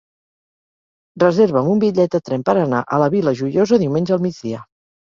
Reserva'm un bitllet de tren per anar a la Vila Joiosa diumenge al migdia.